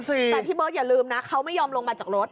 แต่พี่เบิร์อย่าลืมนะเขาไม่ยอมลงมาจากรถ